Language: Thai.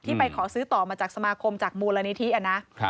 ไปขอซื้อต่อมาจากสมาคมจากมูลนิธินะ